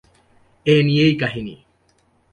এ নিয়েই কাহিনী।